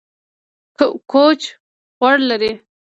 کوچ غوړ لري